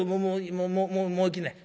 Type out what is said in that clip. もうもういきな。